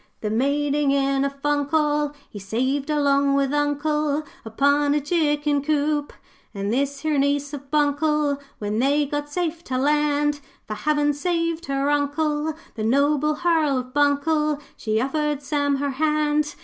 The maiding in a funk all He, saved along with Uncle Upon a chicken coop. 'And this here niece of Buncle, When they got safe to land, For havin' saved her Uncle, The Noble Hearl of Buncle, She offered Sam her hand.